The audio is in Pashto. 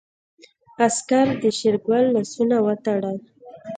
عسکر د شېرګل لاسونه وتړل.